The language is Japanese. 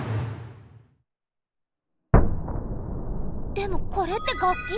でもこれって楽器？